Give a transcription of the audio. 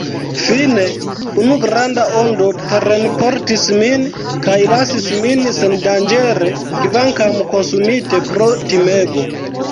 Fine, unu granda ondo terenportis min, kaj lasis min sendanĝere, kvankam konsumite pro timego.